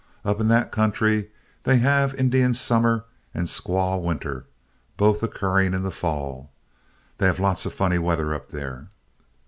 Up in that country they have Indian summer and Squaw winter, both occurring in the fall. They have lots of funny weather up there.